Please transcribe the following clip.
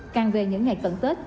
càng về những ngày tận tết